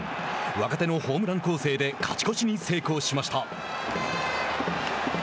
若手のホームラン攻勢で勝ち越しに成功しました。